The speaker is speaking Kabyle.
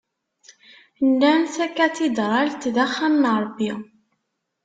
Nnan takadidralt d axxam n Rebbi.